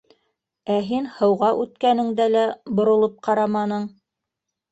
Ә һин һыуға үткәнеңдә лә боролоп ҡараманың.